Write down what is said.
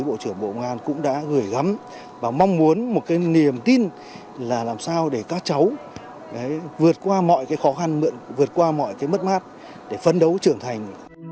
vượt qua mọi khó khăn vượt qua mọi mất mát để phân đấu trưởng thành